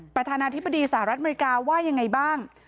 ประธานาธิบดีสหรัฐอเมริกาว่ายังไงบ้าง